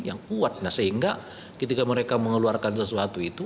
yang kuat nah sehingga ketika mereka mengeluarkan sesuatu itu